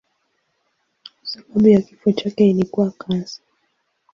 Sababu ya kifo chake ilikuwa kansa.